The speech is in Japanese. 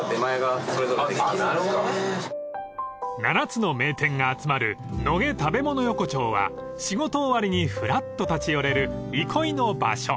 ［７つの名店が集まる野毛たべもの横丁は仕事終わりにふらっと立ち寄れる憩いの場所］